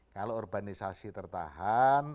kalau urbanisasi tertahan